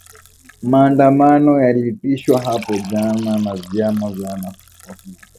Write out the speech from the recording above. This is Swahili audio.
maandamano yaliitishwa hapo jana na vyama vya wafanyakazi